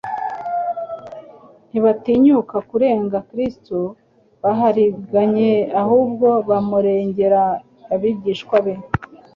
Ntibatinyuka kurega Kristo bahariganye, ahubwo bamuregera abigishwa be,